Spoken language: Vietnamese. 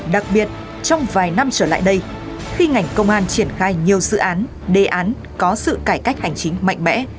đặc biệt trong vài năm trở lại đây khi ngành công an triển khai nhiều dự án đề án có sự cải cách hành chính mạnh mẽ